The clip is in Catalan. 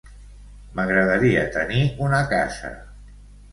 M'agradaria tenir una casa.